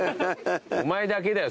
お前だけだよ